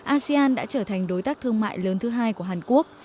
asean đã trở thành đối tác thương mại lớn thứ hai của hàn quốc